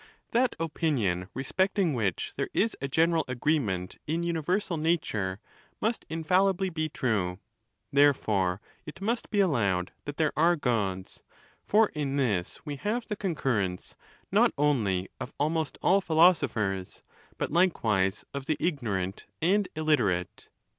That opinion respecting which there is a gen ] eral agreement in universal nature must infallibly be true;/ therefore it must be allowed that there are Gods ; for in( this we have the concurrence, not only of almost all phi losophers, but likewise of the ignorant and illiterate.